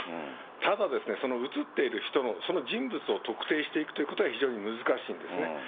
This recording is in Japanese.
ただ、写っている人の、その人物を特定していくということは非常に難しいんですね。